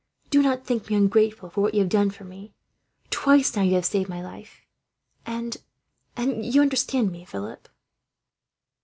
"Do not think me ungrateful for what you have done for me. Twice now you have saved my life, and, and you understand me, Philip?"